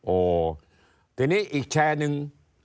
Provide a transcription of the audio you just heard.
โอ้ทีนี้อีกแชร์นึง